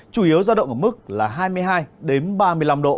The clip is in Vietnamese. chủ yếu ra động ở mức là hai mươi hai đến ba mươi năm độ